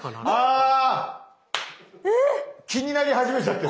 あ気になり始めちゃってる。